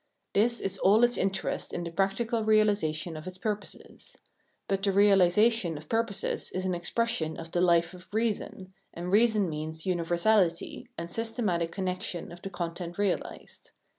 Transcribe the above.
This is all its interest in the practical realisation of its purposes. But the realisa tion of purposes is an expression of the life of reason, and reason means universality and systematic connection of the content realised.